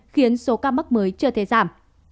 khiến số ca mắc mới chưa thể giảm